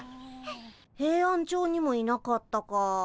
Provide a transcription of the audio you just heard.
ヘイアンチョウにもいなかったか。